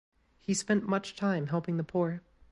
He spent much time helping the poor.